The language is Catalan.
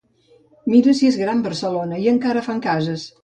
Mira si és gran Barcelona i encara fan cases.